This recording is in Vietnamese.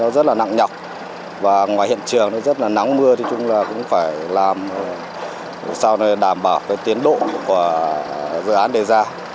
rất là nặng nhọc và ngoài hiện trường nó rất là nắng mưa thì chung là cũng phải làm để sao để đảm bảo cái tiến độ của dự án đề ra